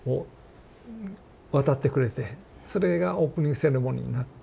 それがオープニングセレモニーになって。